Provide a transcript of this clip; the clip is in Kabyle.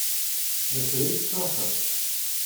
Lakra ysefrahen?